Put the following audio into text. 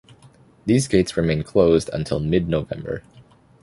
These gates remain closed until mid-November.